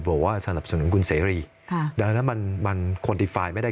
สำหรับส่วนหนึ่งกุลเสรีดังนั้นมันควอนติฟายไม่ได้